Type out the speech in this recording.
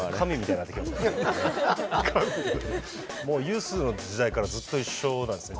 もうユースの時代からずっと一緒なんですね